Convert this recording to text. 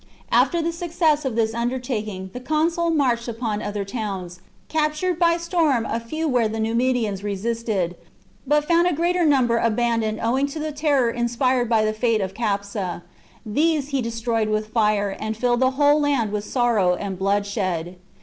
After the success of this undertaking, the consul marched upon other towns, captured by storm a few where the Numidians resisted, but found a greater THE JUGURTHINE WAR. 223 number abandoned owing to the terror inspired by ^^^^ the fate of Capsa ; these he destroyed with fire, and filled the whole land with sorrow and bloodshed.